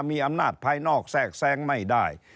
มีอำนาจภายนอกแทรกแซงไม่ได้